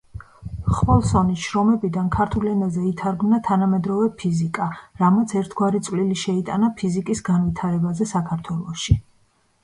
ხვოლსონის შრომებიდან ქართულ ენაზე ითარგმნა „თანამედროვე ფიზიკა“, რამაც ერთგვარი წვლილი შეიტანა ფიზიკის განვითარებაზე საქართველოში.